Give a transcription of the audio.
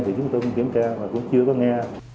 thì chúng tôi cũng kiểm tra mà cũng chưa có nghe